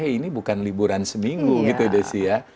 ini bukan liburan seminggu gitu ya